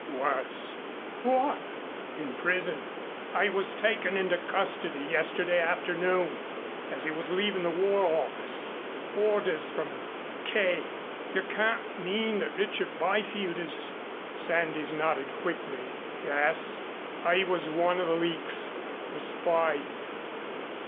Worse." "What ?" "In prison. He was taken into custody yesterday afternoon as he was leaving the War Office. Orders from 'K.'" "You can't mean that Richard Byfield is " Sandys nodded quickly. "Yes. He was one of the leaks a spy."